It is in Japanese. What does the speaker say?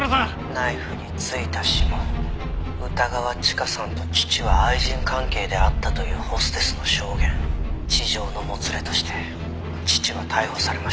「ナイフに付いた指紋」「歌川チカさんと父は愛人関係であったというホステスの証言」「痴情のもつれとして父は逮捕されました」